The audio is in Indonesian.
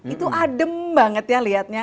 itu adem banget ya lihatnya